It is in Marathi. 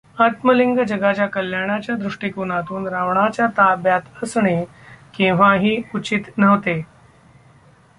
आत्मलिंग जगाच्या कल्याणाच्या दृष्टिकोनातून रावणाच्या ताब्यांत असणे केव्हाही उचित नव्हते.